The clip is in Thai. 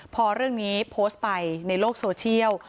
พอเรื่องนี้โพสต์ไปในโลกโซเชียล